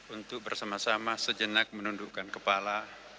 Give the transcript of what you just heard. untuk bersama sama sejenak menundukkan kepala